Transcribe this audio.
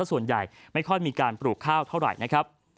ส่วนใหญ่ไม่ค่อยมีการปลูกข้าวเท่าไหร่นะครับ